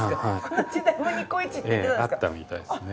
この時代もニコイチって言ってたんですか？